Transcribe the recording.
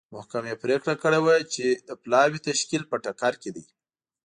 محکمې پرېکړه کړې وه چې پلاوي تشکیل په ټکر کې دی.